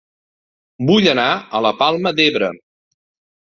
Vull anar a La Palma d'Ebre